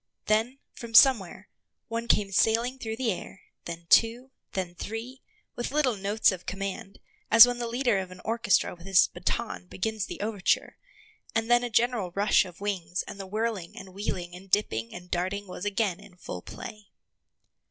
Then, from somewhere, one came sailing through the air, then two, then three, with little notes of command, as when the leader of an orchestra with his baton begins the overture, and then a general rush of wings and the whirling and wheeling and dipping and darting was again in full play.